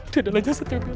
dia adalah jasadnya bella